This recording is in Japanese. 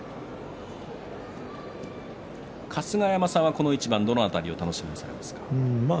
春日山さんはこの一番どの辺りを見てますか？